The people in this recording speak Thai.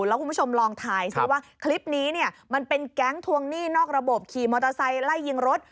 แล้วคุณผู้ชมลองถ่ายซิว่าคลิปนี้เนี่ยมันเป็นแก๊งทวงหนี้นอกระบบขี่มอเตอร์ไซค์ไล่ยิงรถ